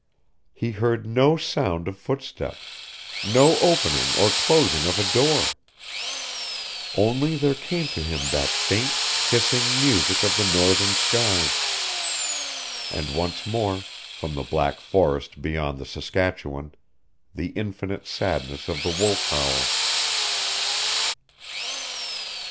He heard no sound of footsteps, no opening or closing of a door. Only there came to him that faint, hissing music of the northern skies, and once more, from the black forest beyond the Saskatchewan, the infinite sadness of the wolf howl.